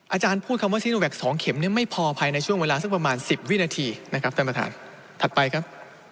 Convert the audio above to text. อาจารย์พูดคำว่าซีโนแวค๒เข็มเนี่ยไม่พอภายในช่วงเวลาสักประมาณ๑๐วินาทีนะครับท่านประธานถัดไปครับ